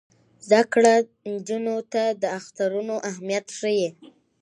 زده کړه نجونو ته د اخترونو اهمیت ښيي.